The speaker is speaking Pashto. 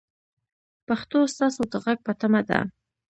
پښتو ستاسو د غږ په تمه ده.